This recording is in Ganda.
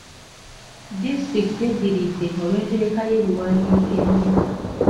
Disitulikiti eddiridde olw'entereka y'ebiwandiiko embi.